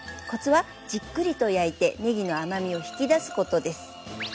コツはじっくりと焼いてねぎの甘みを引き出すことです。